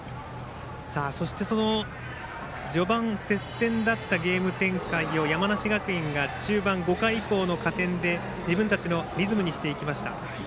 そして序盤、接戦だったゲーム展開を山梨学院が中盤以降の加点で自分たちのリズムにしていきました。